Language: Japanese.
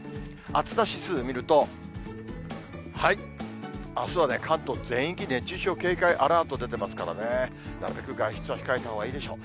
暑さ指数を見ると、あすはね、関東全域、熱中症警戒アラート出てますからね、なるべく外出は控えたほうがいいでしょう。